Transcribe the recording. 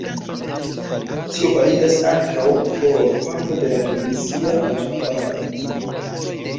Tio validas ankaŭ por parto de la tunizia loĝantaro.